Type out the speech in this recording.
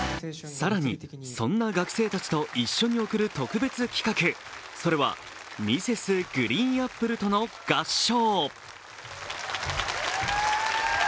更に、そんな学生たちと一緒に贈る特別企画それはＭｒｓ．ＧＲＥＥＮＡＰＰＬＥとの合唱。